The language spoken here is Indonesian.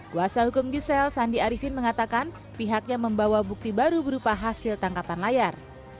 kuasa hukum gisel sandi arifin mengatakan pihaknya membawa bukti baru berupa hasil tangkapan layar